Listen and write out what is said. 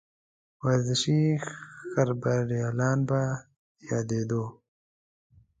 ورزشي خبریالان به یادېدوو.